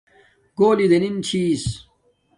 گھولی دینم چحس